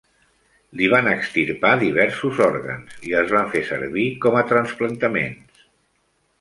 Li van extirpar diversos òrgans i els van fer servir com a trasplantaments.